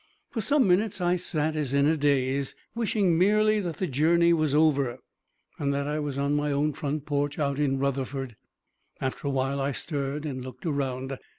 ] For some minutes I sat as in a daze, wishing merely that the journey was over, and that I was on my own front porch out in Rutherford. After awhile I stirred and looked around.